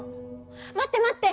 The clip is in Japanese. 待って待って！